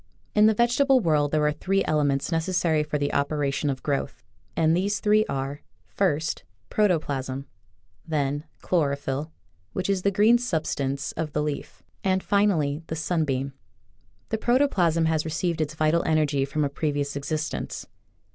In the vegetable world there are three ele ments necessary for the operation of growth, and these three are: First, protoplasm; then, chlorophyl, which is the green substance of the leaf; and, finally, the sunbeam. The pro toplasm has received its vital energy from a previous existence.